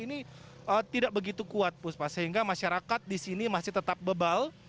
ini tidak begitu kuat puspa sehingga masyarakat di sini masih tetap bebal